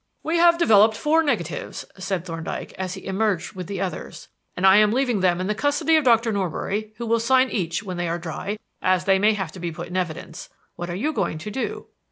"We have developed four negatives," said Thorndyke, as he emerged with the others, "and I am leaving them in the custody of Doctor Norbury, who will sign each when they are dry, as they may have to be put in evidence. What are you going to do?"